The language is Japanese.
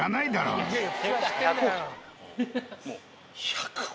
１００億？